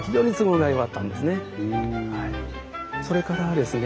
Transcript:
それからですね